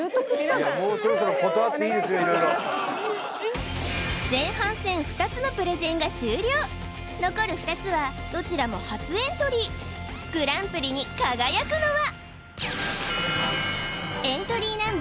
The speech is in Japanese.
もうそろそろ前半戦２つのプレゼンが終了残る２つはどちらも初エントリーグランプリに輝くのは？